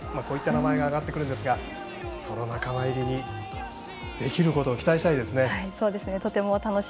こういった名前が挙がってきますがその仲間入りすることを期待したいですね。